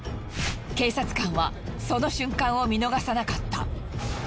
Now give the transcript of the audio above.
警察官はその瞬間を見逃さなかった。